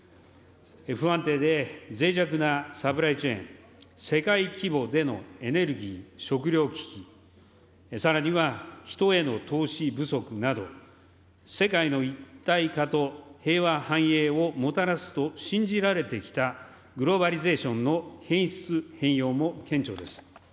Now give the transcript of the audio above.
不安定でぜい弱なサプライチェーン、世界規模でのエネルギー・食料危機、さらには人への投資不足など、世界の一体化と平和・繁栄をもたらすと信じられてきたグローバリゼーションの変質・変容も顕著です。